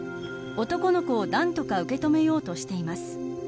男の子を何とか受け止めようとしています。